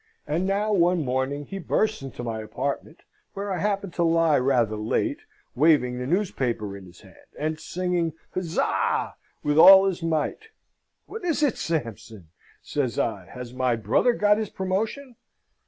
And now, one morning, he bursts into my apartment, where I happened to lie rather late, waving the newspaper in his hand, and singing "Huzza!" with all his might. "What is it, Sampson?" says I. "Has my brother got his promotion?"